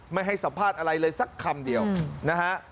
ไม่ให้สัมภาษณ์อะไรเลยสักคำเดียวนะฮะ